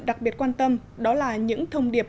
đặc biệt quan tâm đó là những thông điệp